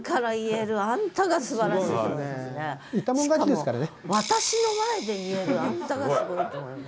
言ったもん勝ちですからね。